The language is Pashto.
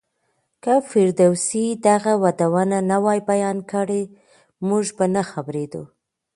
که فردوسي دغه ودونه نه وای بيان کړي، موږ به نه خبرېدو.